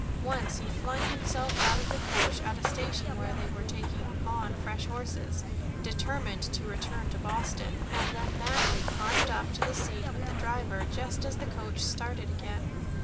Once he flung himself out of the coach at a station where they were taking on fresh horses, determined to return to Boston, and then madly climbed up to the seat with the driver just as the coach started again.